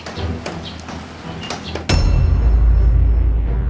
enggak kamu liat deh kesana deh